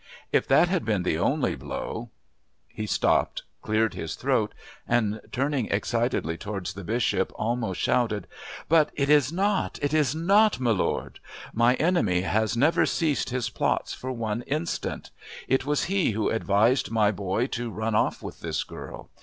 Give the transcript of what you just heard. If that had been the only blow " He stopped, cleared his throat, and, turning excitedly towards the Bishop, almost shouted: "But it is not! It is not, my lord! My enemy has never ceased his plots for one instant. It was he who advised my boy to run off with this girl.